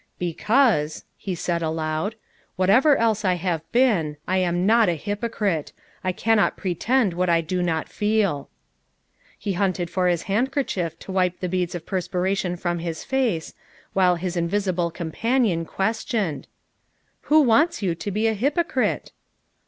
"Because," he said aloud, "whatever else I have been, I am not a hypocrite ; I cannot pre tend what I do not feel." He hunted for his handkerchief to wipe the heads of perspiration from his face, while his invisible companion questioned. "Who wants you to be a hypocrite?"